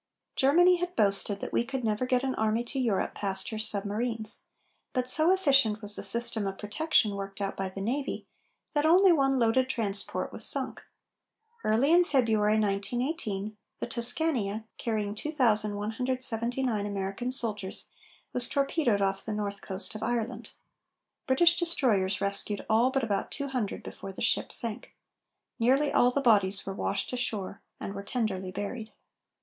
Germany had boasted that we could never get an army to Europe past her submarines, but so efficient was the system of protection worked out by the navy, that only one loaded transport was sunk. Early in February, 1918, the Tuscania, carrying 2179 American soldiers, was torpedoed off the north coast of Ireland. British destroyers rescued all but about two hundred before the ship sank. Nearly all the bodies were washed ashore and were tenderly buried.